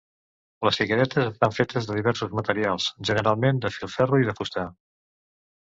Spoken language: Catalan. Les figuretes estan fetes de diversos materials, generalment de filferro i de fusta.